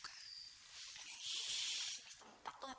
alhamdulillah fatimah suka